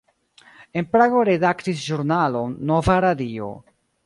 En Prago redaktis ĵurnalon "Nova radio".